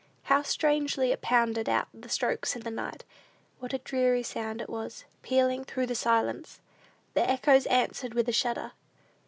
How strangely it pounded out the strokes in the night! What a dreary sound it was, pealing through the silence! The echoes answered with a shudder.